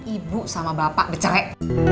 ibu sama bapak becengek